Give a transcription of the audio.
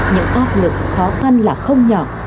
những áp lực khó khăn là không nhỏ